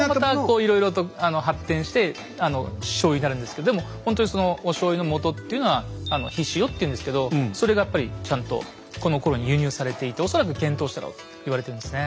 いろいろと発展してしょうゆになるんですけどでもほんとにそのおしょうゆのもとっていうのは「ひしお」って言うんですけどそれがやっぱりちゃんとこのころに輸入されていて恐らく遣唐使だろうと言われてるんですね。